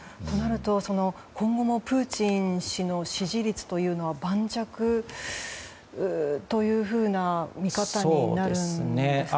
となると今後もプーチン氏の支持率というのは盤石というふうな見方になるんですか。